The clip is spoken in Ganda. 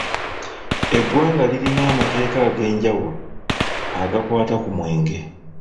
Eggwanga lirina amateeka ag'enjawulo agakwata ku mwenge